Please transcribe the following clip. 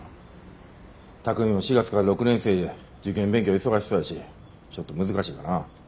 巧海も４月から６年生で受験勉強忙しそうやしちょっと難しいかなあ。